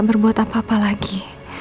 berbuat apa apa lagi